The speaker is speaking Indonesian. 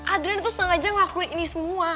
adriana tuh sengaja ngelakuin ini semua